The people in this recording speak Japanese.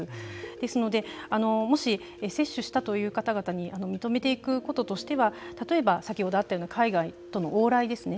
ですので、もし接種したという方々に認めていくこととしては例えば、先ほどあったような海外との往来ですね